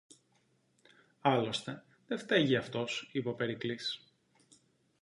Άλλωστε, δε φταίγει αυτός, είπε ο Περικλής